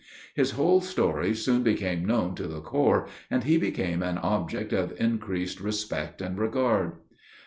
His whole story soon became known to the corps, and he became an object of increased respect and regard.